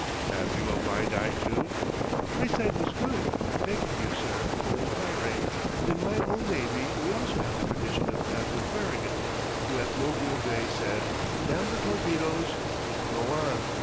"'Have you a blind eye, too?' "'My sight is good, thanking you, sir, for inquiring, but in my own navy we also have the tradition of Admiral Farragut, who at Mobile Bay said: "Damn the torpedoes go on!"